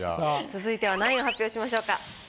続いては何位を発表しましょうか？